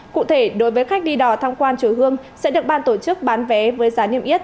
cụ thể đối với khách đi đò tham quan chùa hương sẽ được ban tổ chức bán vé với giá niêm yết